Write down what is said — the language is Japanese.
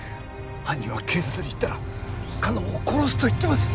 犯人は警察に言ったらかのんを殺すと言ってます。